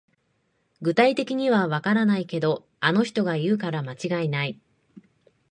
具体的にはわからないけど、あの人が言うから間違いない